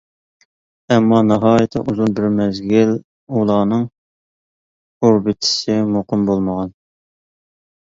ئەمما ناھايىتى ئۇزۇن بىر مەزگىل ئۇلارنىڭ ئوربىتىسى مۇقىم بولمىغان.